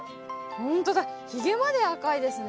ほんとだひげまで赤いですね。